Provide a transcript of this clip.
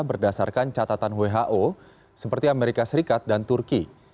berdasarkan catatan who seperti amerika serikat dan turki